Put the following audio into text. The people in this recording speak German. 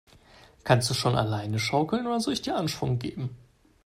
Kannst du schon alleine schaukeln, oder soll ich dir Anschwung geben?